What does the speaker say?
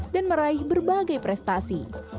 dan meraih berbagai prestasi